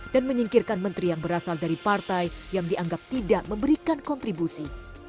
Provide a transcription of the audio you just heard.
dan menyingkirkan menteri yang berasal dari partai yang dianggap tidak memberikan kontribusi